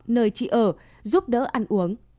nơi chị ở giúp đỡ ăn uống